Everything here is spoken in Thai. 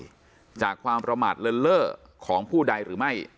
จากความประมาทเลินเล่อของผู้ใดหรือไม่